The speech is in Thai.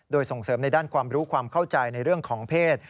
โดยส่งเสริมในด้านความรู้ความเข้าใจในเรื่องของเพศ